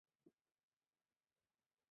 母亲是萨克森人。